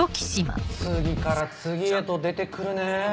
次から次へと出て来るねぇ。